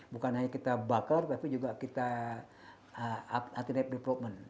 bukan hanya kita bakar tapi juga kita alternative development